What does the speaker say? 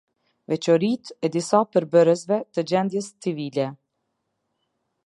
Veçoritë e disa përbërësve të gjendjes civile.